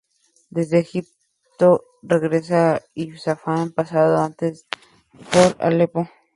Desde Egipto regresó a Isfahán pasando antes por Alepo.